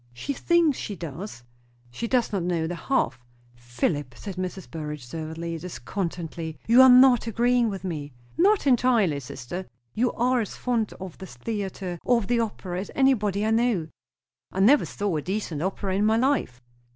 "She thinks she does." "She does not know the half." "Philip," said Mrs. Burrage severely and discontentedly, "you are not agreeing with me." "Not entirely, sister." "You are as fond of the theatre, or of the opera, as anybody I know." "I never saw a decent opera in my life."